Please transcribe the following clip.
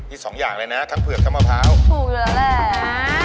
อีก๒อย่างเลยนะทั้งเผือกทั้งมะพาหอดถูกเลยแหละ